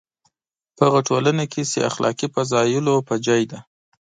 په هغه ټولنه کې چې اخلاقي فضایلو پر ځای ده.